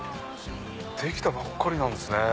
できたばっかりなんですね。